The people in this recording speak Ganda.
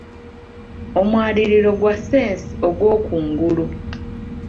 Omwaliiro gwa ssensi ogw'okungulu.